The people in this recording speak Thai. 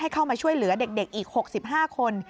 เข้ามาช่วยเหลือเด็กอีก๖๕คน